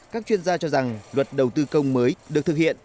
các chuyên gia cho rằng luật đầu tư công mới được thực hiện